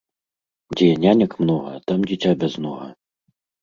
Дзе нянек многа, там дзiця бязнога